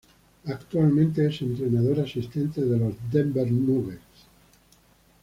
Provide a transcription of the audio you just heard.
Actualmente es entrenador asistente de los Denver Nuggets.